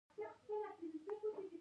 د توریالي د پټي وتره ټوله شپه خلاصه وه.